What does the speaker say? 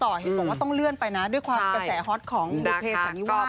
เห็นบอกว่าต้องเลื่อนไปนะด้วยความกระแสฮอตของบุเทสันนิวาส